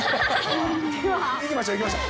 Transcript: いきましょう、いきましょう。